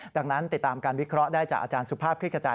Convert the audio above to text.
ดังนั้นติดตามการวิเคราะห์ได้จากอาจารย์สุภาพคลิกกระจาย